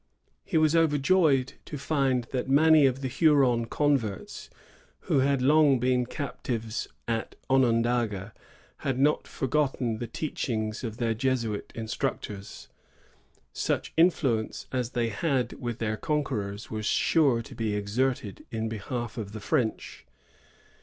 He was overjoyed to find that many of the Huron converts, who had long been captives at Onondaga, had not forgotten the teachings of their Jesuit instructors. Such influence as they had with their conquerors was sure to be exerted in behalf of the French.